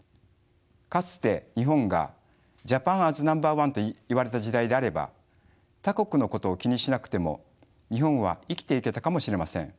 かつて日本が「ジャパン・アズ・ナンバーワン」と言われた時代であれば他国のことを気にしなくても日本は生きていけたかもしれません。